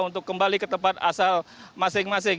untuk kembali ke tempat asal masing masing